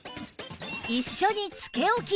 一緒につけ置き